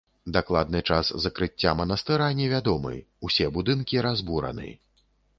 Дакладны час закрыцця манастыра невядомы, усе будынкі разбураны.